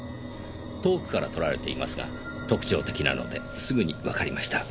遠くから撮られていますが特徴的なのですぐにわかりました。